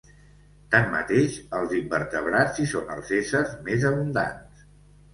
Tanmateix, els invertebrats hi són els éssers més abundants.